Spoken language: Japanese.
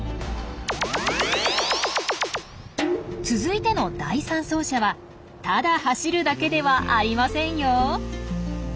続いての第３走者はただ走るだけではありませんよ。